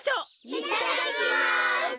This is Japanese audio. いただきます！